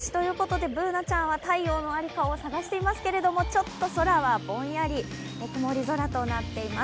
今日もムシムシ、今日は夏至ということで、Ｂｏｏｎａちゃんは太陽のありかを探していますけどちょっと空はぼんやり曇り空となっています。